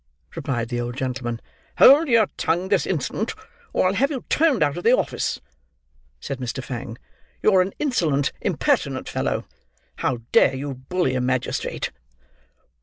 replied the old gentleman. "Hold your tongue this instant, or I'll have you turned out of the office!" said Mr. Fang. "You're an insolent impertinent fellow. How dare you bully a magistrate!"